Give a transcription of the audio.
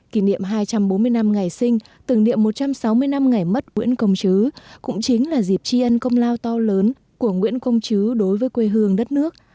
kỷ niệm hai trăm bốn mươi năm ngày sinh tưởng niệm một trăm sáu mươi năm ngày mất nguyễn công chứ cũng chính là dịp tri ân công lao to lớn của nguyễn công chứ đối với quê hương đất nước